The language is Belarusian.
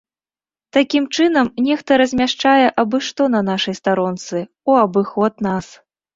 Такім чынам, нехта размяшчае абы-што на нашай старонцы ў абыход нас.